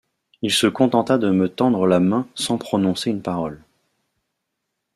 Il se contenta de me tendre la main sans prononcer une parole.